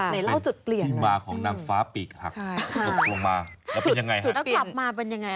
นี่เป็นที่มาของนางฟ้าปีกหักหลบลงมาแล้วเป็นยังไง